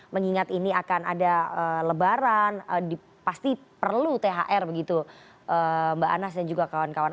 mengingat ini akan ada lebaran pasti perlu thr begitu mbak anas dan juga kawan kawan